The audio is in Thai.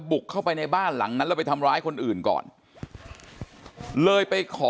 บุกเข้าไปในบ้านหลังนั้นแล้วไปทำร้ายคนอื่นก่อนเลยไปขอ